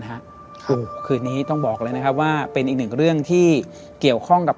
โอ้โหคืนนี้ต้องบอกเลยนะครับว่าเป็นอีกหนึ่งเรื่องที่เกี่ยวข้องกับ